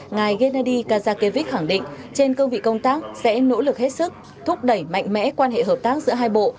ngài gennady kazakevich khẳng định trên cương vị công tác sẽ nỗ lực hết sức thúc đẩy mạnh mẽ quan hệ hợp tác giữa hai bộ